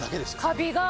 カビが？